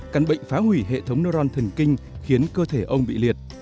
căn bệnh phá hủy hệ thống noron thần kinh khiến cơ thể ông bị liệt